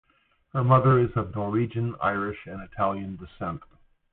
Her mother is of Norwegian, Irish, and Italian descent.